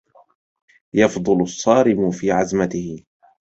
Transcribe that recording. يفضل الصارم في عزمته